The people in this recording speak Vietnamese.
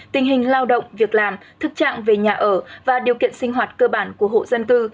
tình hình lao động việc làm thực trạng về nhà ở và điều kiện sinh hoạt cơ bản của hộ dân cư